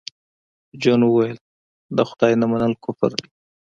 جون وویل د خدای نه منل کفر دی